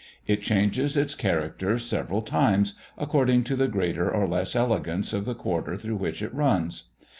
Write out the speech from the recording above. It changes its character several times, according to the greater or less elegance of the quarter through which it runs.